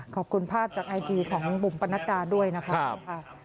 ขอบคุณภาพจากไอจีย์ของบุงปรนักราดด้วยนะครับ